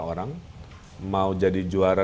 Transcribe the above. orang mau jadi juara